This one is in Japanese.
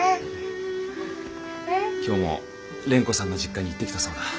今日も蓮子さんの実家に行ってきたそうだ。